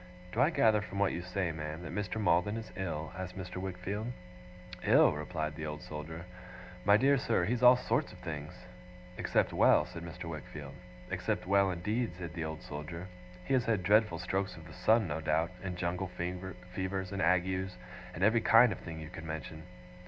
'Do I gather from what you say, ma'am, that Mr. Maldon is ill?' asked Mr. Wickfield. 'Ill!' replied the Old Soldier. 'My dear sir, he's all sorts of things.' 'Except well?' said Mr. Wickfield. 'Except well, indeed!' said the Old Soldier. 'He has had dreadful strokes of the sun, no doubt, and jungle fevers and agues, and every kind of thing you can mention.